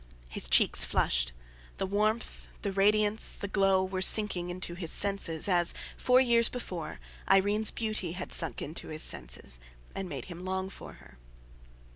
His cheeks flushed. The warmth, the radiance, the glow, were sinking into his senses as, four years before, Irene's beauty had sunk into his senses and made him long for her.